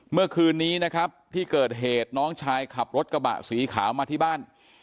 เมื่อคืนนี้นะครับที่เกิดเหตุน้องชายขับรถกระบะสีขาวมาที่บ้าน